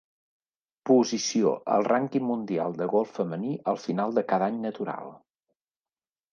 Posició al rànquing mundial de golf femení al final de cada any natural.